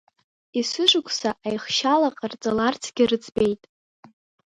Есышықәса аихшьала ҟарҵаларцгьы рыӡбеит!